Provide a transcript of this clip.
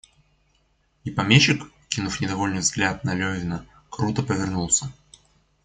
И помещик, кинув недовольный взгляд на Левина, круто повернулся.